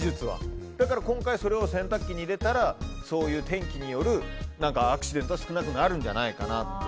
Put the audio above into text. だから今回それを洗濯機に入れたら天気によるアクシデントは少なくなるんじゃないかなと。